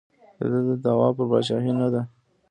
د ده دعوا پر پاچاهۍ نه ده.